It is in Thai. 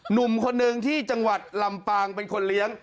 หนุ่มคนหนึ่งที่จังหวัดลำปางเป็นคนเลี้ยง